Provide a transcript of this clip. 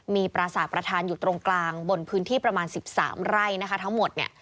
มีปราสาทประธานอยู่ตรงกลางบนพื้นที่ประมาณ๑๓ไร่นะคะทั้งหมดเนี่ย